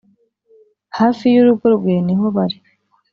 hafi y'urugo rwe niho bari